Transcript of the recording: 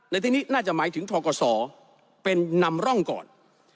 ในที่นี้น่าจะหมายถึงทกศเป็นนำร่องก่อน